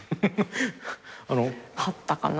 あったかな？